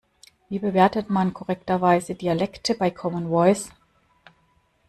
Wie bewertet man korrekterweise Dialekte bei Common Voice?